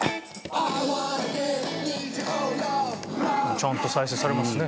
ちゃんと再生されますね。